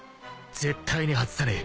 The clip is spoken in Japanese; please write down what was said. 絶対に外さねえ。